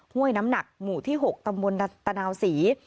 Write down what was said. ห้วยน้ำหนักหมู่ที่๖ตำบลตะนาวศรี